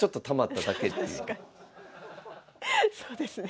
そうですね。